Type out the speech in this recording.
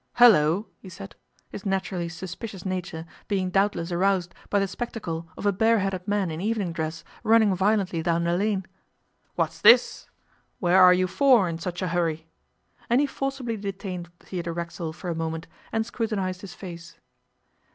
'Hullo!' he said, his naturally suspicious nature being doubtless aroused by the spectacle of a bareheaded man in evening dress running violently down the lane. 'What's this? Where are you for in such a hurry?' and he forcibly detained Theodore Racksole for a moment and scrutinized his face.